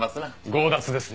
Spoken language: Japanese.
強奪ですね。